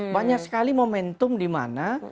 banyak sekali momentum dimana